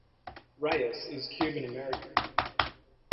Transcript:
Reyes is Cuban American.